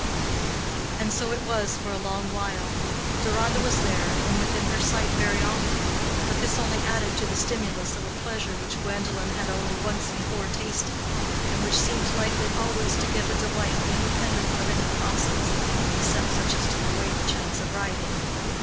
And so it was for a long while. Deronda was there, and within her sight very often; but this only added to the stimulus of a pleasure which Gwendolen had only once before tasted, and which seemed likely always to give a delight independent of any crosses, except such as took away the chance of riding.